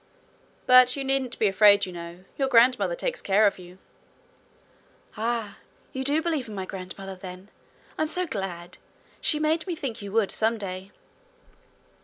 'But you needn't be afraid, you know. Your grandmother takes care of you.' 'Ah! you do believe in my grandmother, then? I'm so glad! She made me think you would some day.'